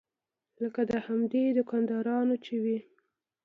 لکه د همدې دوکاندارانو چې وي.